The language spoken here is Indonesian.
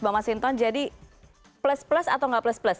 bapak mas hinton jadi plus plus atau nggak plus plus